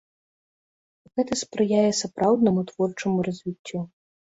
Гэта спрыяе сапраўднаму творчаму развіццю.